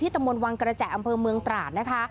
ที่ทะมวลวังกระแจอำเภอเมืองตราด